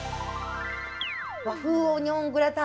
和風オニオングラタン